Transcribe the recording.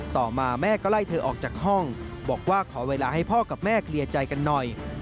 ต่อมาแม่ก็ไล่เธอออกจากห้องบอกว่าขอเวลาให้พ่อกับแม่เคลียร์ใจกันหน่อย